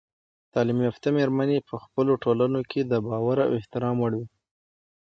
تعلیم یافته میرمنې په خپلو ټولنو کې د باور او احترام وړ وي.